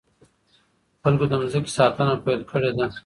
خلکو د ځمکې ساتنه پيل کړې ده.